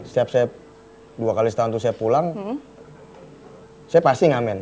setiap dua kali setahun itu saya pulang saya pasti ngamen